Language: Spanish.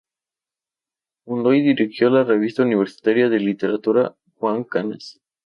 Fundó y dirigió la revista universitaria de literatura "Juan Canas".